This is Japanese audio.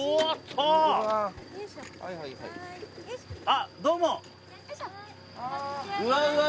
あっどうも。